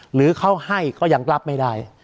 หรือเขาให้ก็ยังรับไม่ได้